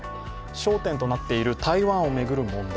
焦点となっている台湾を巡る問題